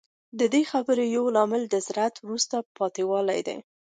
د دې خبرې یو لامل د زراعت وروسته پاتې والی دی